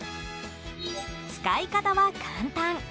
使い方は簡単。